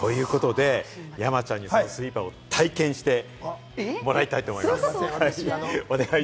山ちゃんにそのスイーパーを体験してもらいたいと思います。